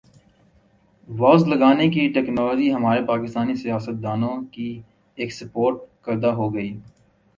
was لگانے کی technology ہمارے پاکستانی سیاستدا نوں کی ایکسپورٹ کردہ ہوگی